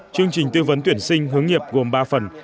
chương trình tư vấn tuyển sinh hướng nghiệp gồm ba phần